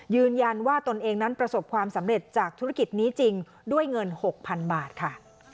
ยืนยันว่าตนเองนั้นประสบความสำเร็จจากธุรกิจนี้จริงด้วยเงิน๖๐๐๐บาทค่ะ